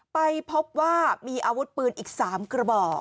ไปพบว่ามีอาวุธปืนอีก๓กระบอก